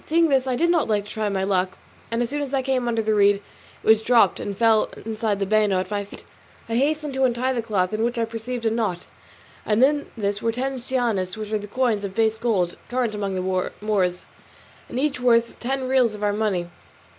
Seeing this I did not like not to try my luck, and as soon as I came under the reed it was dropped and fell inside the bano at my feet. I hastened to untie the cloth, in which I perceived a knot, and in this were ten cianis, which are coins of base gold, current among the Moors, and each worth ten reals of our money.